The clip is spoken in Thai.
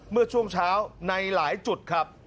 เมื่อช่วงเช้าในหลายจุดครับ